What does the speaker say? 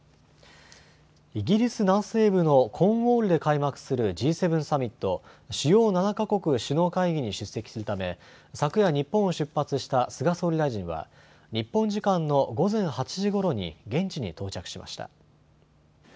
イギリス南西部のコーンウォールで開幕するＧ７サミット・主要７か国首脳会議に出席するため昨夜、日本を出発した菅総理大臣は日本時間の午前８時ごろに現地に到着しました。